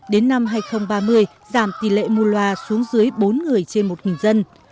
đến năm hai nghìn ba mươi giảm tỷ lệ mù loà xuống dưới bốn người trên một dân